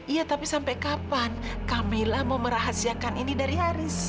iya tapi sampai kapan kamila mau merahasiakan ini dari haris